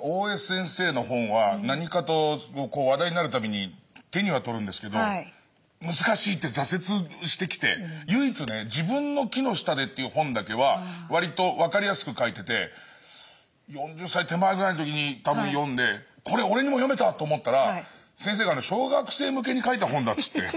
大江先生の本は何かと話題になる度に手には取るんですけど難しいって挫折してきて唯一ね「『自分の木』の下で」という本だけは割と分かりやすく書いてて４０歳手前ぐらいの時に多分読んで「これ俺にも読めた！」と思ったら先生が小学生向けに書いた本だっつって。